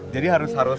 jadi harus harus